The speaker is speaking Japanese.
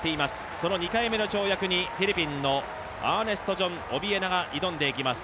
その２回目の跳躍にフィリピンのアーネストジョン・オビエナが挑んでいきます。